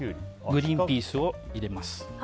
グリーンピースを入れます。